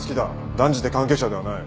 断じて関係者ではない。